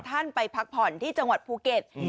ท่านไปพักผ่อนที่จังหวัดภูเก็ต